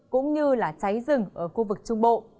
cũng như cháy rừng ở khu vực trung bộ